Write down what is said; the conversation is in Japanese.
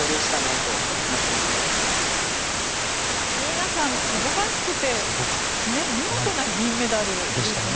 皆さん、素晴らしくて見事な銀メダルでしたね。